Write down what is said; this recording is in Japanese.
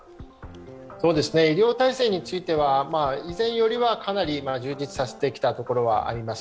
医療体制については以前よりはかなり充実させてきたところはあります。